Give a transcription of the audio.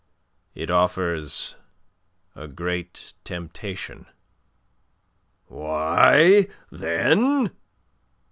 "It offers a great temptation." "Why, then...?"